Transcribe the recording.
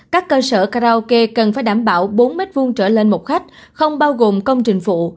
các cơ sở karaoke cần phải đảm bảo bốn m hai trở lên một khách không bao gồm công trình phụ